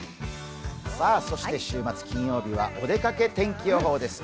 そして週末金曜日はお出かけ天気予報です。